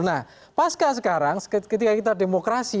nah pasca sekarang ketika kita demokrasi